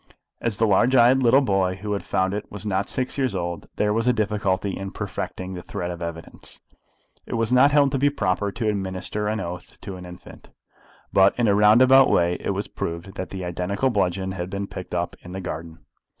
As the large eyed little boy who had found it was not yet six years old, there was a difficulty in perfecting the thread of the evidence. It was not held to be proper to administer an oath to an infant. But in a roundabout way it was proved that the identical bludgeon had been picked up in the garden.